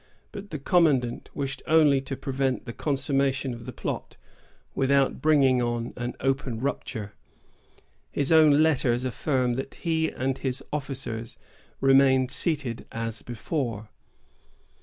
But the commandant wished only to prevent the consummation of the plot, without bringing on an open rupture. His own letters affirm that he and his officers remained seated as before.